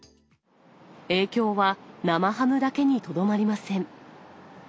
影響は生ハムだけにとどまりません。